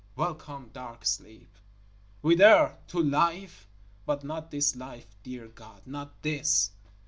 Welcome dark sleep!_ Whither? To life? But not this life, dear God, not this.